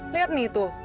lihat nih itu